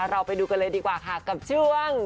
เราไปดูกันเลยดีกว่าค่ะกับช่วง